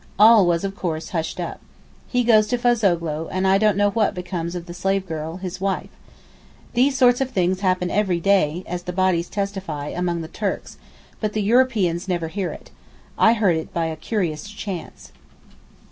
All was of course hushed up. He goes to Fazoghlou; and I don't know what becomes of the slave girl, his wife. These sort of things happen every day (as the bodies testify) among the Turks, but the Europeans never hear it. I heard it by a curious chance.